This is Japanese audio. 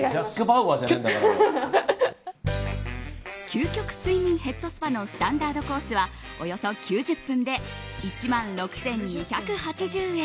究極睡眠ヘッドスパのスタンダードコースはおよそ９０分で１万６２８０円。